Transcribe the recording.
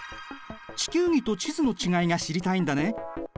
地球儀と地図の違いが知りたいんだね。